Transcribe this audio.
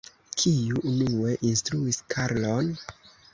Kiu unue instruis Karlon?